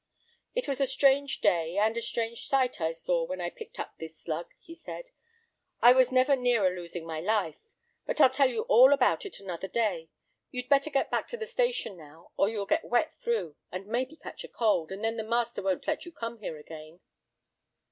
"'It was a strange day and a strange sight I saw when I picked up this slug,' he said. 'I was never nearer losing my life!—but I'll tell you all about it another day. You'd better get back to the station now, or you'll get wet through, and maybe catch cold, and then the master won't let you come here again.